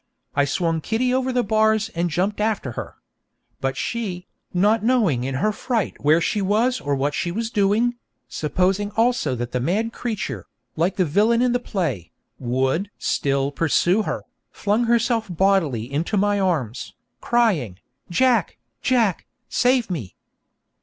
I swung Kitty over the bars, and jumped after her. But she, not knowing in her fright where she was nor what she was doing, supposing also that the mad creature, like the villain in the play, would 'still pursue her,' flung herself bodily into my arms, crying, 'Jack! Jack! save me!'